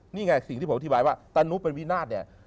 นี่ไงสิ่งที่ผมอธิบายว่าตานุเป็นวินาศเนี่ย